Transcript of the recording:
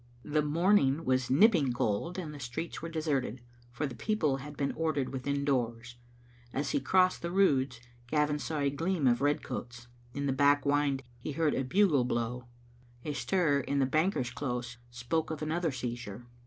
The morning was nipping cold, and the streets were deserted, for the people had been ordered within doors. As he crossed the Roods, Gavin saw a gleam of red coats. In the back wynd he heard a bugle blown, A stir in the Banker's close spoke of another seizure.